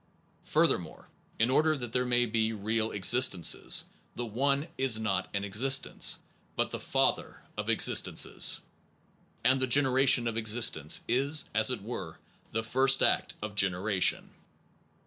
Furthermore, in order that they may be real existences, the One Mystical is not an existence, but the father of existences. And the generation of existence is as it were the first act of gener ation.